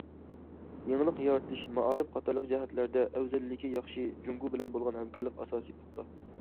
يېڭىلىق يارىتىش، مائارىپ قاتارلىق جەھەتلەردە ئەۋزەللىكى ياخشى، جۇڭگو بىلەن بولغان ھەمكارلىق ئاساسى پۇختا.